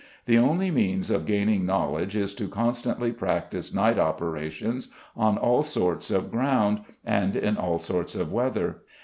The only means of gaining knowledge is to constantly practise Night Operations on all sorts of ground, and in all sorts of weather.